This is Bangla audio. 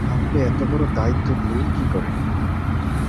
ভাবলে এতবড়ো দায়িত্ব নিই কী করে?